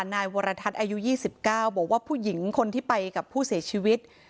นายวรทัศน์อายุ๒๙บอกว่าผู้หญิงคนที่ไปกับผู้เสียชีวิต